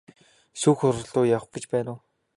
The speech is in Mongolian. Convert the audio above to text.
Шүүх хуралруу явах гэж байна уу?